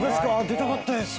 出たかったです